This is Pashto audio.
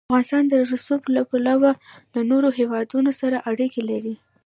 افغانستان د رسوب له پلوه له نورو هېوادونو سره اړیکې لري.